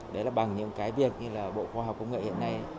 đấy là bằng những cái việc như là bộ khoa học công nghệ hiện nay